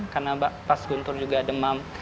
karena pak pas guntur juga demam